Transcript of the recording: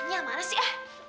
nyak mana sih